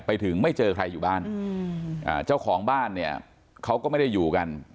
ไปถึงไม่เจอใครอยู่บ้านเจ้าของบ้านเนี่ยเขาก็ไม่ได้อยู่กัน